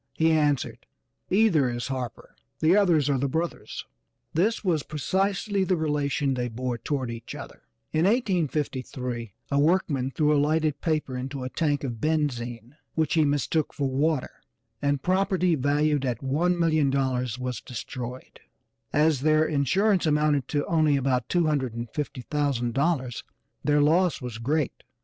He answered, "Either is Harper, the others are the brothers." This was precisely the relation they bore toward each other. In 1853 a workman threw a lighted paper into a tank of benzine which he mistook for water, and property valued at $1,000,000 was destroyed; as their insurance amounted to only about $250,000 their loss was great.